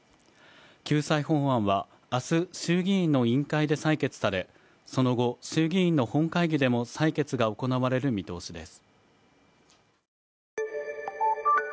救済法案はあす衆議院の委員会で採決されその後衆議院の本会議でも採決が行われる見通しです